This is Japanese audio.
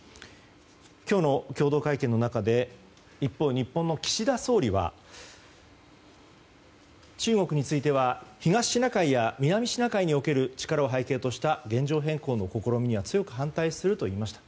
今日の共同記者会見の中で一方、日本の岸田総理は中国については東シナ海や南シナ海における力を背景とした現状変更の試みに強く反対すると言いました。